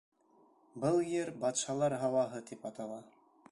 Был ер Батшалар һауаһы тип атала.